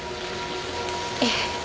ええ。